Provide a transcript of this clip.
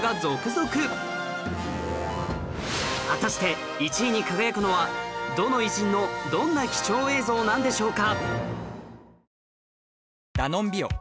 果たして１位に輝くのはどの偉人のどんな貴重映像なんでしょうか